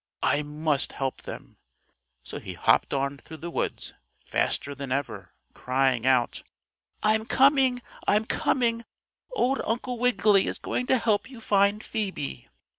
I must help them!" So he hopped on through the woods, faster than ever, crying out: "I'm coming! I'm coming! Old Uncle Wiggily is going to help you find Phoebe."